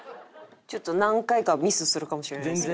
ちょっと何回かミスするかもしれないですけど。